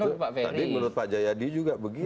tadi menurut pak jaya dihanan juga begitu